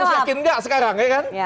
tapi harus yakin enggak sekarang ya kan